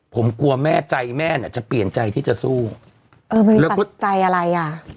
ผมกลัวแม่ใจแม่เนี่ยจะเปลี่ยนใจที่จะสู้เออมันมีปัจจัยอะไรอ่ะ